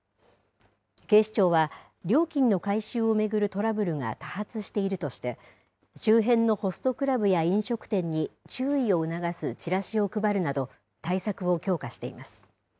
警視庁は、料金の回収を巡るトラブルが多発しているとして、周辺のホストクラブや飲食店に注意を促すチラシを配るなど、対策を強化しています。